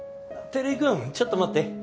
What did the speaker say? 照井くんちょっと待って。